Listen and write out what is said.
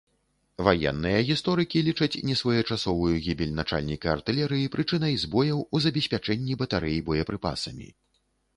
Ваенныя гісторыкі лічаць несвоечасовую гібель начальніка артылерыі прычынай збояў у забеспячэнні батарэй боепрыпасамі.